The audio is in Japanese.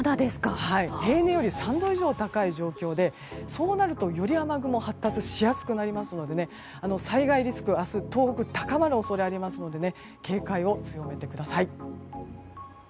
平年より３度以上高い状況でそうなると、より雨雲が発達しやすくなりますので災害リスクが明日、東北は高まる恐れがありますので警戒を強めてください。